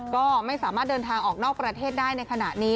ก็ไม่สามารถเดินทางออกนอกประเทศได้ในขณะนี้